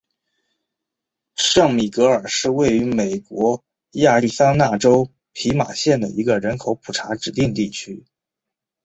圣米格尔是位于美国亚利桑那州皮马县的一个人口普查指定地区。